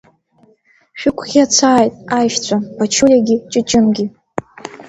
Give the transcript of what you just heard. Шәықәӷьацааит аишьцәа Паҷулиагьы Ҷыҷынгьы.